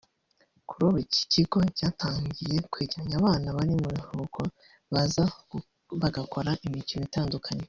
Kuri ubu iki kigo cyatangiye kwegeranya abana bari mu biruhuko baza bagakora imikino itandukanye